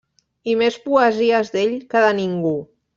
I més poesies d'ell que de ningú.